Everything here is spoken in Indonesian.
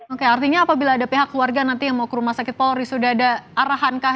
oke artinya apabila ada pihak keluarga nanti yang mau ke rumah sakit polri sudah ada arahan kah